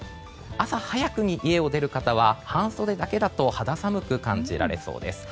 朝早くに家を出る方は半袖だけだと肌寒く感じられそうです。